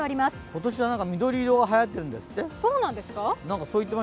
今年はなんか緑色がはやってるんですって。